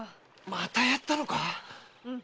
またやったのか⁉うん。